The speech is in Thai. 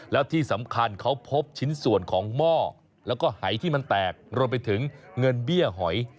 แล้วที่สำคัญเขาพบชิ้นส่วนของหม้อแล้วก็หายที่มันแตกรวมไปถึงเงินเบี้ยหอย